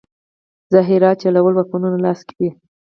ظاهراً چلول واکمنانو لاس کې وي.